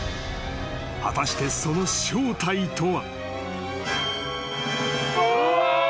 ［果たしてその正体とは］